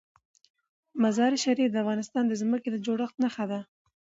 مزارشریف د افغانستان د ځمکې د جوړښت نښه ده.